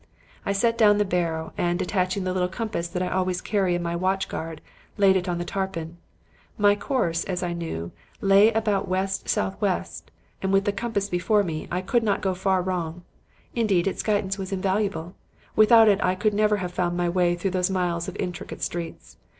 I set down the barrow, and, detaching the little compass that I always carry on my watch guard, laid it on the tarpaulin. My course, as I knew, lay about west southwest, and with the compass before me, I could not go far wrong. Indeed, its guidance was invaluable; without it I could never have found my way through those miles of intricate streets.